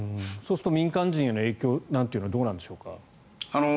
そうすると、民間人への影響はどうなんでしょうか。